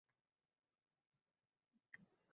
ko’ziga.